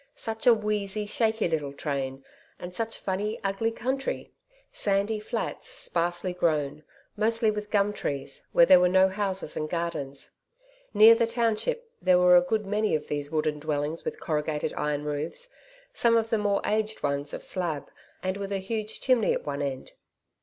Such a wheezy, shaky little train, and such funny, ugly country! Sandy flats sparsely grown, mostly with gum trees, where there were no houses and gardens. Near the township there were a good many of these wooden dwellings with corrugated iron roofs some of the more aged ones of slab and with a huge chimney at one end.